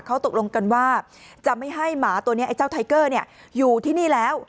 เขาตกลงกันว่าจะไม่ให้หมาตัวนี้ไอ้เจ้าไทเกอร์อยู่ที่นี่แล้ว